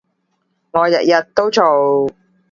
我日日都做